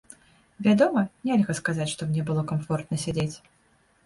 Вядома, нельга сказаць, што мне было камфортна сядзець.